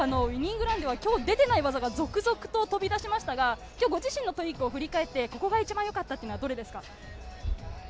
ウイニングランでは今日出てない技が続々と飛び出しましたが、ご自身のトリックを振り返って、ここが一番よかったのはどこですか？